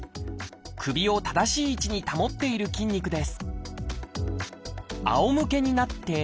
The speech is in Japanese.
首を正しい位置に保っている筋肉です